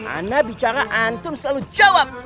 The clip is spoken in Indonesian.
anda bicara antum selalu jawab